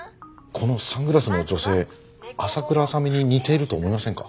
このサングラスの女性朝倉亜沙美に似ていると思いませんか？